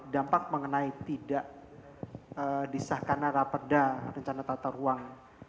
dampak mengenai tidak disahkanan rapeda rencana tata ruang